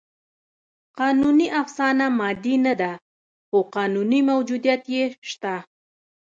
قانوني افسانه مادي نهده؛ خو قانوني موجودیت یې شته.